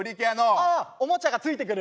あっおもちゃがついてくる。